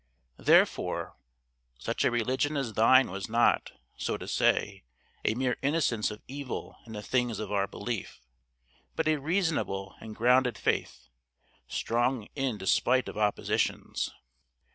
Therefore, such a religion as thine was not, so to say, a mere innocence of evil in the things of our Belief, but a reasonable and grounded faith, strong in despite of oppositions.